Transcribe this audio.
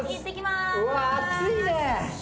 うわ熱いね。